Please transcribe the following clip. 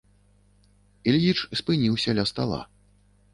Ільіч спыніўся ля стала.